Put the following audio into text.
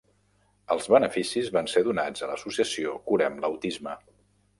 Els beneficis van ser donats a l'associació Curem l'Autisme.